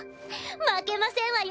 負けませんわよ